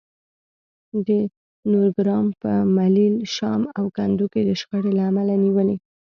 د نورګرام په ملیل، شام او کندو کې د شخړې له امله نیولي